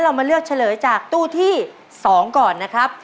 มาเลือกเฉลยจากตู้ที่๒ก่อนนะครับ